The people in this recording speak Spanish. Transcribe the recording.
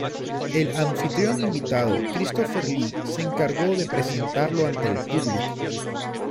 El anfitrión invitado, Christopher Lee, se encargó de presentarlo ante el público.